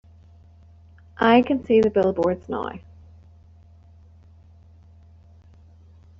I can see the billboards now.